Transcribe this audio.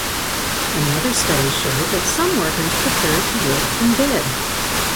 Another study showed that some workers preferred to work from bed.